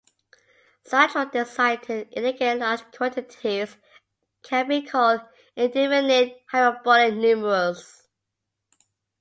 Such words designed to indicate large quantities can be called "indefinite hyperbolic numerals".